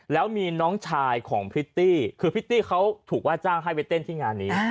แล้วมีน้องชายของพริตตี้คือพริตตี้เขาถูกว่าจ้างให้ไปเต้นที่งานนี้